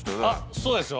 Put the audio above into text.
そうですよ。